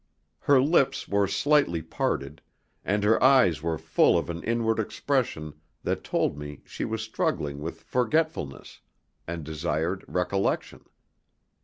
Her lips were slightly parted, and her eyes were full of an inward expression that told me she was struggling with forgetfulness and desired recollection.